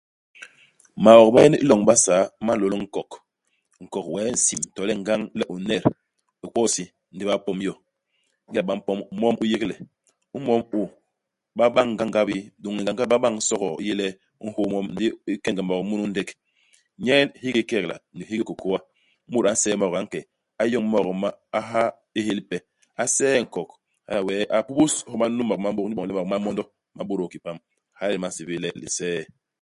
Maok ma maén i loñ i Basaa, ma nlôl i nkok. Nkok wee nsim to le ngañ le u n'net, i kwo i hisi, ndi ba pom yo. Ingéda ba mpom, mom u yégle, imom u, ba bañ ngangabi, lôñni nganganbi, ba bañ sogoo i yé le u nhô mom ndi i ken-ga maok munu i ndek. Nyen hiki kekela ni hiki kôkôa, imut a nsee maok, a nke a yoñ imaok ma, a ha i hél ipe. A see nkok, hala wee a pubus ihoma nunu maok ma mbôk inyu iboñ le maok ma mondo ma bôdôl ki pam. Hala nyen ba nsébél le lisee.